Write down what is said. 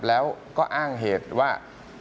แล้วก็อ้างเหตุว่า